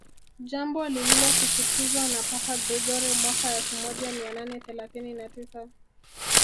jambo lililosisitizwa na Papa Gregori mwaka elfu moja mia nane thelathini na tisa